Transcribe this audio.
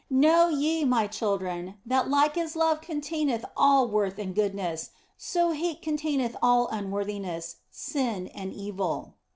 Know ye, my children, that like as love containeth all worth and goodness, so hate containeth all unworthiness, sin, and evil.